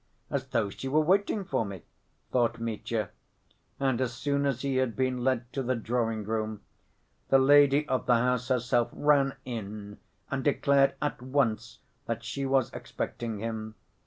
"As though she were waiting for me," thought Mitya, and as soon as he had been led to the drawing‐room, the lady of the house herself ran in, and declared at once that she was expecting him.